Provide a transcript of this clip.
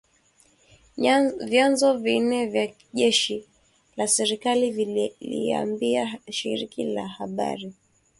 Vyanzo vinne vya jeshi la serikali vililiambia shirika la habari.